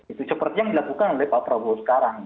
itu seperti yang dilakukan oleh pak prabowo sekarang